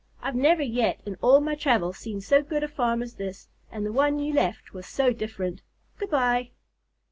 I've never yet in all my travels seen so good a farm as this, and the one you left was so different! Good bye."